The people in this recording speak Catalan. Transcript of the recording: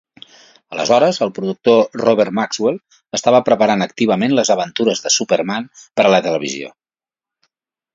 Aleshores, el productor Robert Maxwell estava preparant activament "Les aventures de Superman" per a la televisió.